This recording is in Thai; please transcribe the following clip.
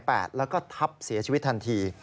แล้วก็ทับเสียชีวิตทันที